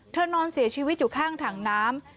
นอนเสียชีวิตอยู่ข้างถังน้ำ